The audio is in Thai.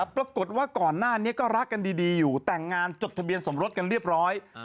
ปรากฏว่าก่อนหน้านี้ก็รักกันดีอยู่แต่งงานจดทะเบียนสมรสกันเรียบร้อย